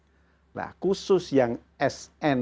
sn berdasarkan program yang sudah diambil nah khusus yang sn berdasarkan